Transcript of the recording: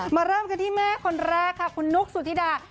เริ่มกันที่แม่คนแรกค่ะคุณนุ๊กสุธิดา